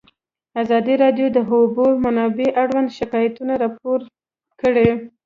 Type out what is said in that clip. ازادي راډیو د د اوبو منابع اړوند شکایتونه راپور کړي.